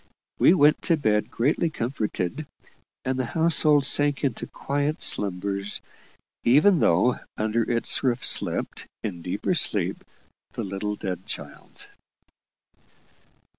We went to bed greatly comforted, and the household sank into quiet slumbers, even though under its roof slept, in deeper sleep, the little dead child.